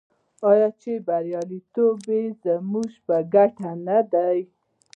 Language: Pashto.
آیا چې بریالیتوب یې زموږ په ګټه نه دی؟